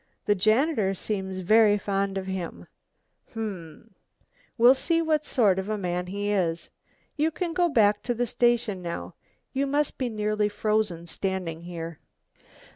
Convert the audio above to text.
The janitor seems very fond of him." "Hm we'll see what sort of a man he is. You can go back to the station now, you must be nearly frozen standing here."